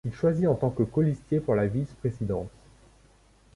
Il choisit en tant que colistier pour la vice-présidence.